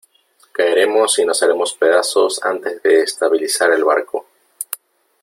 caeremos y nos haremos pedazos antes de estabilizar el barco .